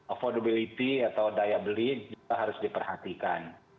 availability atau daya beli harus diperhatikan